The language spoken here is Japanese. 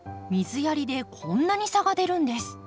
水やりでこんなに差が出るんです。